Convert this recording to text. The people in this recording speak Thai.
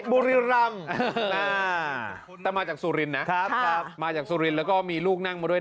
บุรีรำแต่มาจากสุรินนะครับมาจากสุรินทร์แล้วก็มีลูกนั่งมาด้วย